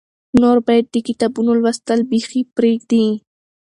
نور باید د کتابونو لوستل بیخي پرېږدې.